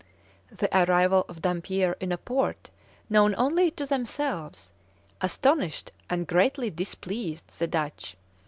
The arrival of Dampier in a port known only to themselves, astonished and greatly displeased the Dutch.